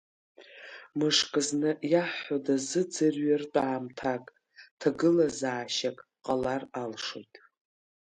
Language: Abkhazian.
Мышкы зны иаҳҳәо дазыӡырҩыртә аамҭак, ҭагылазаашьак ҟалар алшоит.